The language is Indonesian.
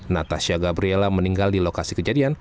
natasha gabriela meninggal di lokasi kejadian